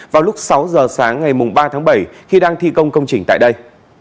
vào lúc sáu giờ sáng ngày ba tháng bảy khi đang thi công công trình tại đây